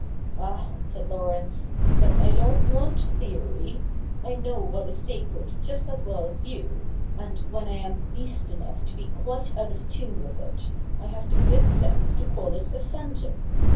' Ah !' said Laurence, ' but I don't want theory. I know what is sacred just as well as you, and, when I am beast enough to be quite out of tune with it, I have the good sense to call it a phantom.